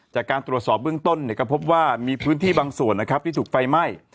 จากการตรวจสอบเบื้องต้นก็พบว่ามีพื้นที่บางส่วนนะครับที่ถูกไฟไหม้